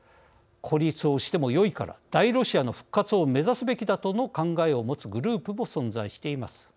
孤立をしてもよいから大ロシアの復活を目指すべきだとの考えを持つグループも存在しています。